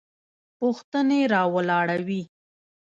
پوښتنې راولاړوي.